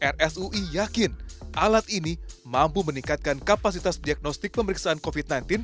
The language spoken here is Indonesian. rsui yakin alat ini mampu meningkatkan kapasitas diagnostik pemeriksaan covid sembilan belas